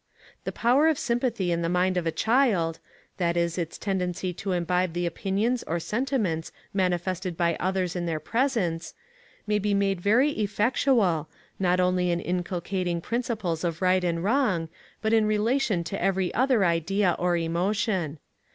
The power of sympathy in the mind of a child that is, its tendency to imbibe the opinions or sentiments manifested by others in their presence may be made very effectual, not only in inculcating principles of right and wrong, but in relation to every other idea or emotion.